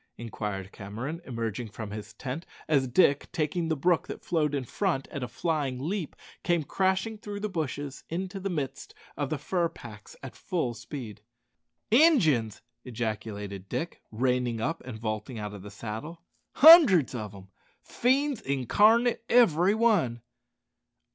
inquired Cameron, emerging from his tent as Dick, taking the brook that flowed in front at a flying leap, came crashing through the bushes into the midst of the fur packs at full speed. "Injuns!" ejaculated Dick, reining up, and vaulting out of the saddle. "Hundreds of 'em. Fiends incarnate every one!"